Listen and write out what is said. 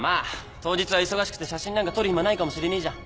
当日は忙しくて写真なんか撮る暇ないかもしれねえじゃん。